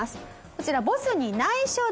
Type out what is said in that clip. こちらボスに内緒で。